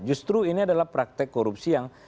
justru ini adalah praktek korupsi yang